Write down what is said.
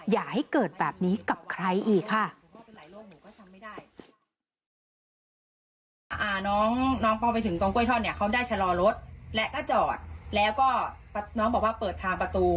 อย่าให้เกิดแบบนี้กับใครอีกค่ะ